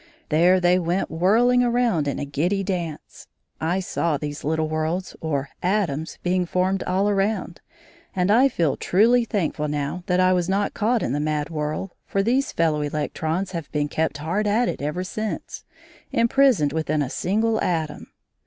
There they went whirling around in a giddy dance. I saw these little worlds or "atoms" being formed all around, and I feel truly thankful now that I was not caught in the mad whirl, for these fellow electrons have been kept hard at it ever since, imprisoned within a single atom.